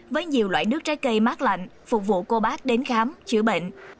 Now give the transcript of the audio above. với nhiều loại nước trái cây mát lạnh phục vụ cô bác đến khám chữa bệnh